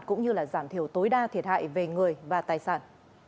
cũng như giảm thiểu tối đa thiệt hại về người và tài sản